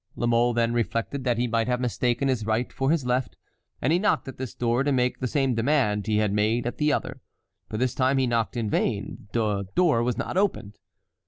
La Mole then reflected that he might have mistaken his right for his left, and he knocked at this door, to make the same demand he had made at the other. But this time he knocked in vain. The door was not opened.